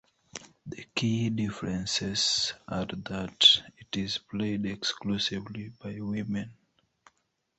The key differences are that it is played exclusively by women.